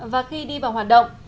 và khi đi vào hoạt động